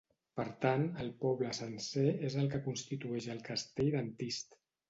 Per tant, el poble sencer és el que constitueix el castell d'Antist.